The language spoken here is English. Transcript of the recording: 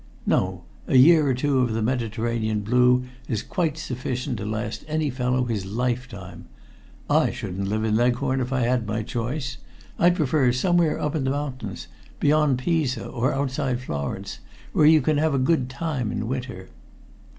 "No. A year or two of the Mediterranean blue is quite sufficient to last any fellow his lifetime. I shouldn't live in Leghorn if I had my choice. I'd prefer somewhere up in the mountains, beyond Pisa, or outside Florence, where you can have a good time in winter."